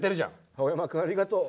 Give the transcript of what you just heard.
青山君ありがとう。